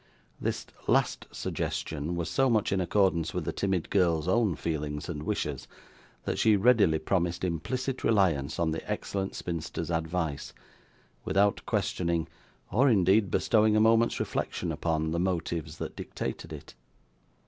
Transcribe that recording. This last suggestion was so much in accordance with the timid girl's own feelings and wishes, that she readily promised implicit reliance on the excellent spinster's advice: without questioning, or indeed bestowing a moment's reflection upon, the motives that dictated it.